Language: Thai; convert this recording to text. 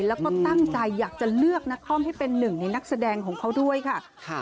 แล้วก็ตั้งใจอยากจะเลือกนักคอมให้เป็นหนึ่งในนักแสดงของเขาด้วยค่ะ